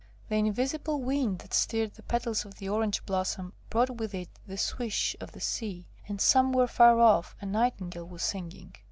The invisible wind that stirred the petals of the orange blossom brought with it the swish of the sea, and somewhere, far off, a nightingale was singing.